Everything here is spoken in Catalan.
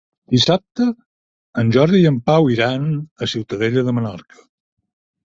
Dissabte en Jordi i en Pau iran a Ciutadella de Menorca.